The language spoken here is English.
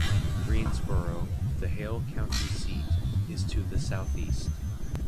Greensboro, the Hale County seat, is to the southeast.